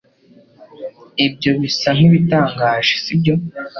Ibyo bisa nkibitangaje sibyo